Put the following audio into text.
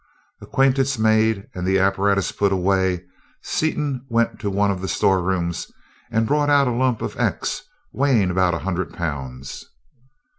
Acquaintance made and the apparatus put away, Seaton went to one of the store rooms and brought out a lump of "X," weighing about a hundred pounds.